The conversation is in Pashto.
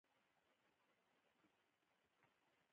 پړانګ د خپل ښکار لپاره اوږده سفرونه کوي.